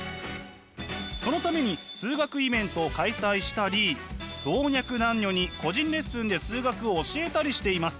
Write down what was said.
そのために数学イベントを開催したり老若男女に個人レッスンで数学を教えたりしています。